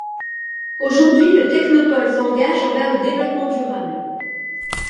Aujourd'hui, le technopôle s'engage envers le développement durable.